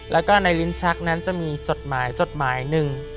แล้วก็ในลิ้นชักนั้นจะมีจดหมายจดหมายหนึ่ง